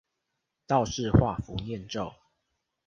道士畫符唸咒